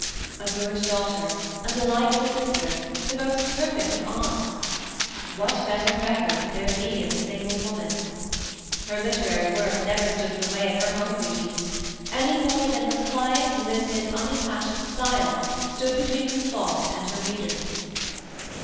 A good daughter, a delightful sister, the most perfect of aunts, what better record could there be of a single woman? Her literary work never stood in the way of her home duties, any more than her "quiet, limpid, unimpassioned style" stood between her thought and her readers.